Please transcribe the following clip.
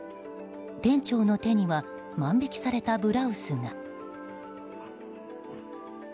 店主の手には万引きされたブラウスが。